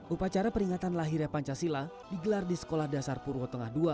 upacara peringatan lahirnya pancasila digelar di sekolah dasar purwo tengah ii